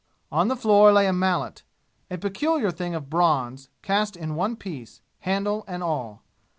On the floor lay a mallet, a peculiar thing of bronze, cast in one piece, handle and all.